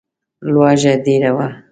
لوږه ډېره وه.